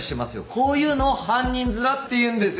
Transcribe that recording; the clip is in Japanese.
こういうのを犯人面っていうんですよ。